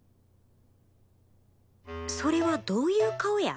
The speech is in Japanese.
それはどういう顔や？